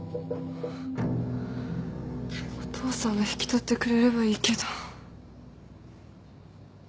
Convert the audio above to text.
お父さんが引き取ってくれればいいけど。